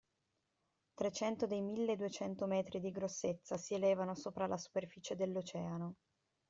Trecento dei milleduecento metri di grossezza, si elevavano sopra la superficie dell'Oceano.